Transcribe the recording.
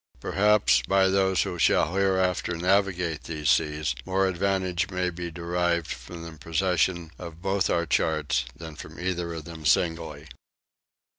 Perhaps, by those who shall hereafter navigate these seas, more advantage may be derived from the possession of both our charts than from either of them singly.